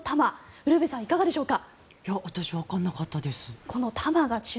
ウルヴェさんいかがでしょうか。